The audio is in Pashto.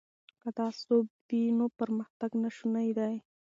که تعصب وي نو پرمختګ ناشونی دی.